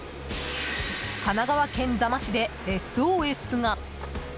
神奈川県座間市で、ＳＯＳが。